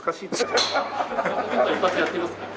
一発やってみますか？